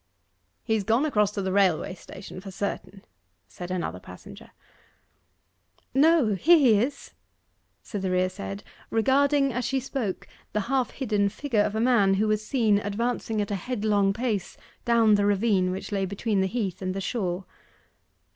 'He's gone across to the railway station, for certain,' said another passenger. 'No here he is!' Cytherea said, regarding, as she spoke, the half hidden figure of a man who was seen advancing at a headlong pace down the ravine which lay between the heath and the shore.